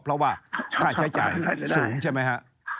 เพราะว่าค่าใช้จ่ายสูงใช่ไหมฮะ